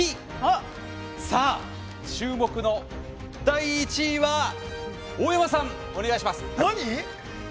さあ、注目の第１位は大山さん、お願いします。